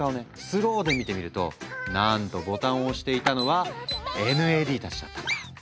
スローで見てみるとなんとボタンを押していたのはＮＡＤたちだったんだ。